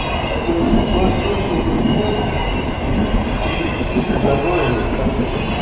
Fue el cuarto "SummerSlam" consecutivo celebrado en el Staples Center.